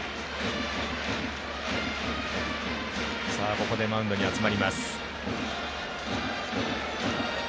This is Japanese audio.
ここでマウンドに集まります。